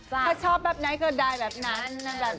ถ้าชอบแบบไหนก็ได้แบบนั้น